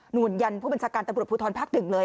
หนุนยันผู้บริษักรรมตระบวนภูทรภักดิ์๑เลย